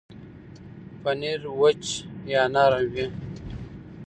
پنېر وچ یا نرم وي.